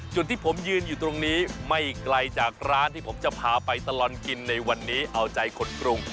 จุดที่ผมยืนอยู่ตรงนี้ไม่ไกลจากร้านที่ผมจะพาไปตลอดกินในวันนี้เอาใจคนกรุง